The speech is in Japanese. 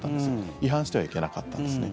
違反してはいけなかったんですね。